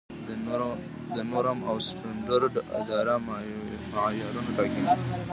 د نورم او سټنډرډ اداره معیارونه ټاکي